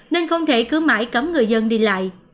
nên không thể cứ mãi cấm người dân đi lại